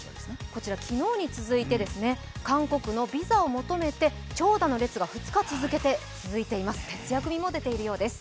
こちら昨日に続いて韓国のビザを求めて長打の列が２日続けて続いています